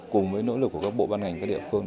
cùng với nỗ lực của các bộ ban ngành các địa phương